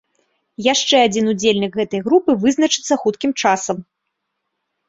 Яшчэ адзін удзельнік гэтай групы вызначыцца хуткім часам.